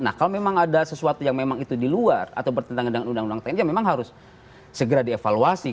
nah kalau memang ada sesuatu yang memang itu di luar atau bertentangan dengan undang undang tni ya memang harus segera dievaluasi